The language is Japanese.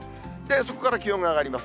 そこから気温が上がります。